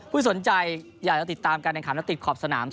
สนใจอยากจะติดตามการแข่งขันและติดขอบสนาม